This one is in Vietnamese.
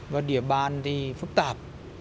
và địa bàn thì phức tạp